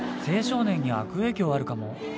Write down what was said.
青少年に悪影響あるかも。